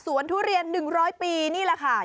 ทุเรียน๑๐๐ปีนี่แหละค่ะ